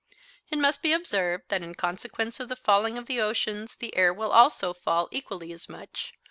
It must be observed that in consequence of the falling of the oceans the air will also fall equally as much.